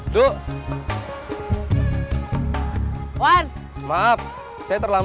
semarang semarang semarang